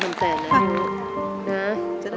เย็น